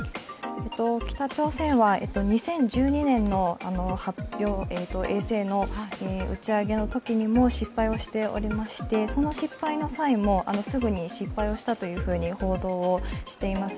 北朝鮮は２０１２年の衛星の打ち上げのときにも失敗をしておりまして、その失敗の際もすぐに失敗したというふうに報道しています。